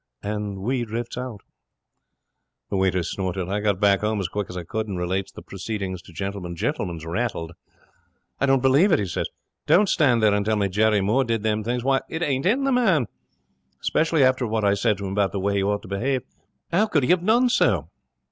'And we drifts out.' The waiter snorted. 'I got back home quick as I could,' he said, 'and relates the proceedings to Gentleman. Gentleman's rattled. "I don't believe it," he says. "Don't stand there and tell me Jerry Moore did them things. Why, it ain't in the man. 'Specially after what I said to him about the way he ought to behave. How could he have done so?"